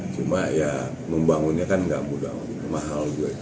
cuma ya membangunnya kan nggak mudah mahal juga